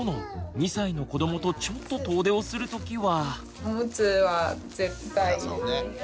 ２歳の子どもとちょっと遠出をする時は。